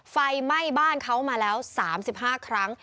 ไฟไหม้บ้านเขามาแล้ว๓๕ครั้ง